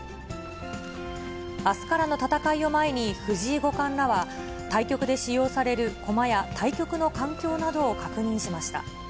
あすからの戦いを前に、藤井五冠らは、対局で使用される駒や対局の環境などを確認しました。